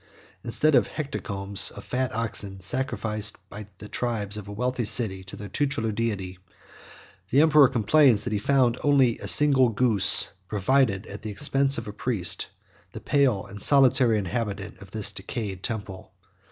Instead of hecatombs of fat oxen sacrificed by the tribes of a wealthy city to their tutelar deity the emperor complains that he found only a single goose, provided at the expense of a priest, the pale and solitary inhabitant of this decayed temple.